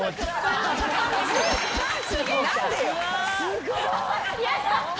すごい。